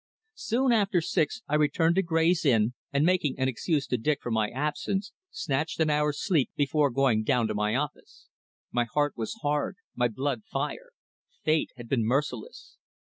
Soon after six I returned to Grey's Inn, and making an excuse to Dick for my absence, snatched an hour's sleep before going down to my office. My heart was hard; my blood fire. Fate had been merciless.